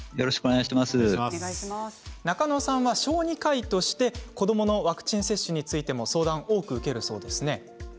中野さんは小児科医として子どものワクチン接種についてもご相談を多く受けるそうですね。